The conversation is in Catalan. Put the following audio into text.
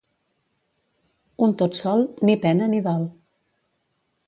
Un tot sol, ni pena ni dol.